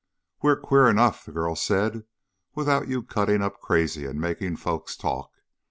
"We're queer enough," the girl said, "without you cutting up crazy and making folks talk.